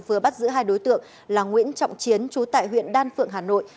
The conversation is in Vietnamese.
vừa bắt giữ hai đối tượng là nguyễn trọng chiến chú tại huyện đan phượng hà nội